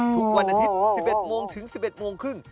ทุกวันอาทิตย์๑๑โมงถึง๑๑โมงครึ่ง